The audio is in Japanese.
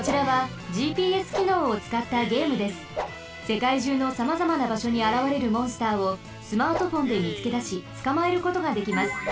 せかいじゅうのさまざまなばしょにあらわれるモンスターをスマートフォンでみつけだしつかまえることができます。